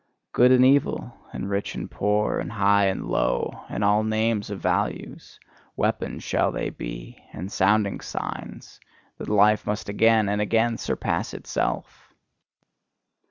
Good and evil, and rich and poor, and high and low, and all names of values: weapons shall they be, and sounding signs, that life must again and again surpass itself!